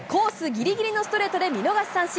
ぎりぎりのストレートで見逃し三振。